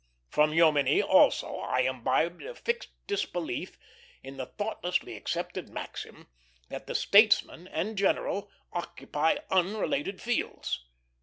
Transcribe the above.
From Jomini also I imbibed a fixed disbelief in the thoughtlessly accepted maxim that the statesman and general occupy unrelated fields.